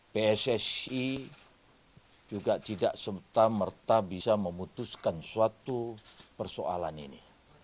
pssi juga tidak serta merta bisa memutuskan suatu persoalan ini